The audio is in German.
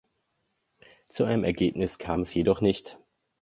Zu einem Ergebnis kam es jedoch nicht.